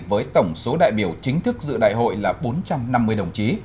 với tổng số đại biểu chính thức dự đại hội là bốn trăm năm mươi đồng chí